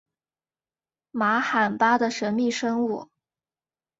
玛罕巴的神秘生物。